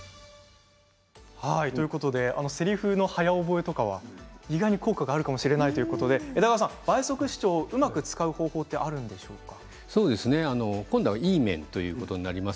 せりふの早覚えとかは意外に効果があるかもしれないということで枝川さん、倍速視聴をうまく使う方法は今度はいい面ということになります